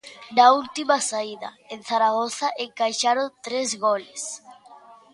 Na última saída, en Zaragoza, encaixaron tres goles.